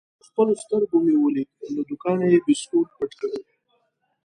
په خپلو سترګو مې ولید: له دوکانه یې بیسکویټ پټ کړل.